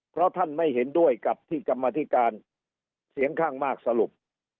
เพราะท่านไม่เห็นด้วยกับที่กรรมธิการเสียงข้างมากสรุป